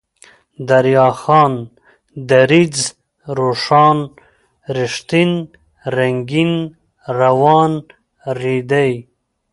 دريا خان ، دريځ ، روښان ، رښتين ، رنگين ، روان ، ريدی